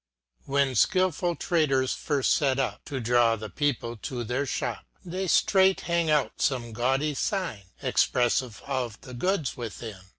WHEN Mlful traders, firft fet up, To <iraw the people to their fhop^ They ftrait hang out fome gaudy fign, Expreflive of the goods within.